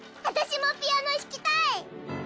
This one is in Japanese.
私もピアノ弾きたい！